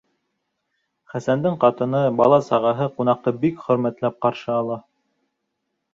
Хәсәндең ҡатыны, бала-сағаһы ҡунаҡты бик хөрмәтләп ҡаршы ала.